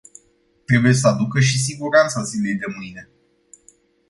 Trebuie să aducă și siguranța zilei de mâine.